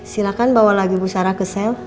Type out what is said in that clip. silakan bawa lagi ibu sarah ke sel